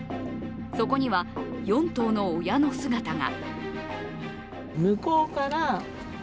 そこには、４頭の親の姿が。